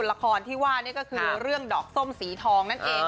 ละครที่ว่านี่ก็คือเรื่องดอกส้มสีทองนั่นเอง